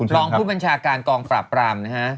รองผู้บัญชาการกองปราบปรามนะฮะ